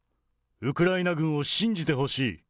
ウクライナ軍を信じてほしい。